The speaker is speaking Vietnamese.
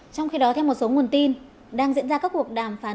trong khi đó theo một số nguồn tin đang diễn ra các cuộc đàm phán